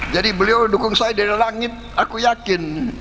jadi beliau dukung saya dari langit aku yakin